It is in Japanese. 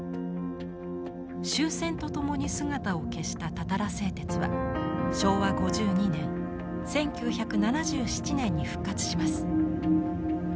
終戦とともに姿を消したたたら製鉄は昭和５２年１９７７年に復活します。